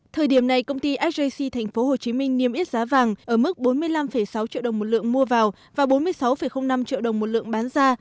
thời điểm này công ty sjc tp hcm niêm yết giá vàng ở mức bốn mươi năm sáu triệu đồng một lượng mua vào và bốn mươi sáu năm triệu đồng một lượng bán ra